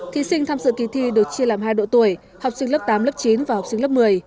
thí sinh tham dự kỳ thi được chia làm hai độ tuổi học sinh lớp tám lớp chín và học sinh lớp một mươi